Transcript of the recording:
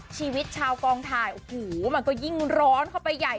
ชีวิตชาวกองถ่ายโอ้โหมันก็ยิ่งร้อนเข้าไปใหญ่